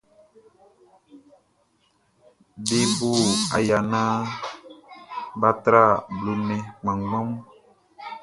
Be bo aya naan bʼa tra blo nnɛn kanngan mun.